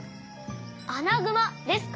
アナグマですか？